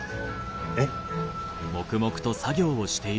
えっ。